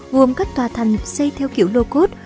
gồm các tòa thành xây theo kiểu locust